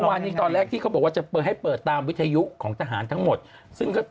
อ้าววะแองฮิตในช่วงนี้